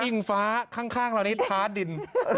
นี่อิงฟ้าข้างเฮารี่พาดิน